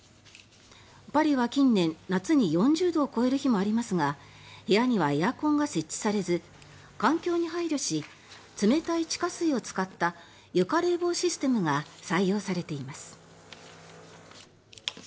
パリは近年、夏に４０度を超える日もありますが部屋にはエアコンが設置されず環境に配慮し冷たい地下水を使った床冷房システムが採用されています。